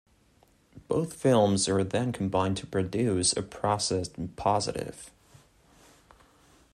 Both films are then combined to produce a processed positive.